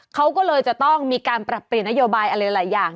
เขาก็เลยจะต้องมีการปรับเปลี่ยนนโยบายอะไรหลายอย่าง